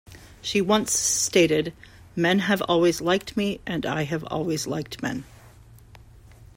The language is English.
She once stated, Men have always liked me and I have always liked men.